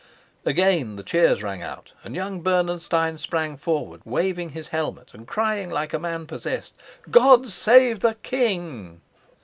Again the cheers rang out, and young Bernenstein sprang forward, waving his helmet and crying like a man possessed, "God save the king!"